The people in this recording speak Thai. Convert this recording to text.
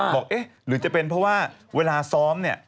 บอกหรือจะเป็นเพราะว่าเวลาซ้อม